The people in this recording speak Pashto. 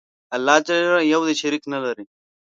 الله ج یو دی. شریک نلري.